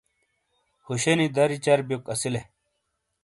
ہوشے نی دری چربیوک اسیلے۔